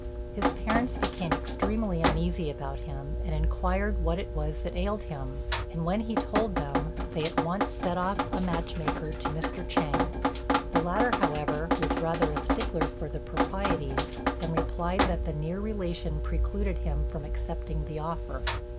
His parents became extremely uneasy about him, and inquired what it was that ailed him; and when he told them, they at once sent off a match maker to Mr. Chêng. The latter, however, was rather a stickler for the proprieties, and replied that the near relationship precluded him from accepting the offer.